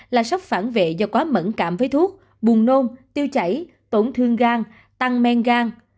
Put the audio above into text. là sốc phản vệ do quá mẫn cảm với thuốc buồn nôn tiêu chảy tổn thương gan tăng men gan